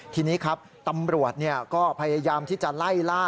ทีนี้ครับตำรวจก็พยายามที่จะไล่ล่า